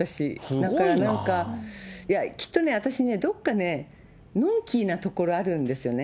だからなんか、きっとね、私ね、どこかのんきなところあるんですよね。